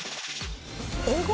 英語？